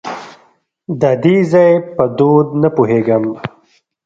د دې ځای په دود نه پوهېږم .